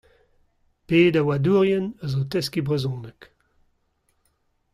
Pet a oadourien zo o teskiñ brezhoneg ?